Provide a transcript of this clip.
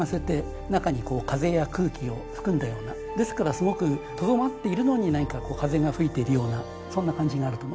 ですからすごくとどまっているのに何か風が吹いているようなそんな感じがあると思います。